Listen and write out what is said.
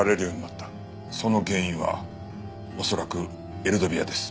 その原因は恐らくエルドビアです。